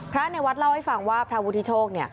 ในวัดเล่าให้ฟังว่าพระวุฒิโชค